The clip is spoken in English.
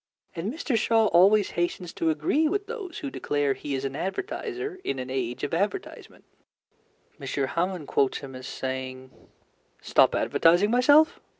And Mr. Shaw always hastens to agree with those who declare he is an advertiser in an age of advertisement. M. Hamon quotes him as saying: Stop advertising myself!